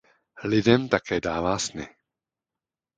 Lidem také dává sny.